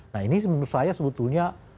nah ini menurut saya sebetulnya